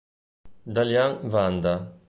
Dalian Wanda